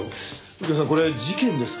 右京さんこれ事件ですか？